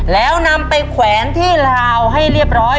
แล้วนำไปแขวนที่ลาวให้เรียบร้อย